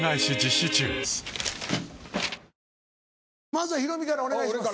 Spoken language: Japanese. まずはヒロミからお願いします。